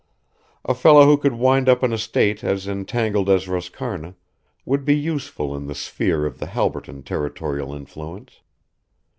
A fellow who could wind up an estate as entangled as Roscarna would be useful in the sphere of the Halberton territorial influence.